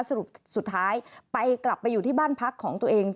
สรุปสุดท้ายไปกลับไปอยู่ที่บ้านพักของตัวเอง